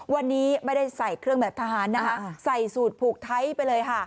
วันนี้ไม่ได้ใส่เครื่องแบบทหารนะคะใส่สูตรผูกไทยไปเลยค่ะ